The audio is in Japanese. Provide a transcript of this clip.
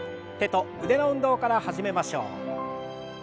手と腕の運動から始めましょう。